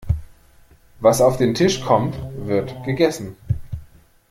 Was auf den Tisch kommt, wird gegessen.